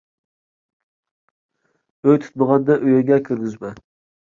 ئۆي تۇتمىغاننى ئۆيۈڭگە كىرگۈزمە